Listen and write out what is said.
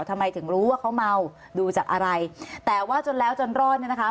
ทำไมถึงรู้ว่าเขาเมาดูจากอะไรแต่ว่าจนแล้วจนรอดเนี่ยนะคะ